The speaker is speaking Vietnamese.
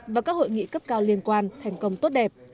và các hội nghị cấp cao liên quan thành công tốt đẹp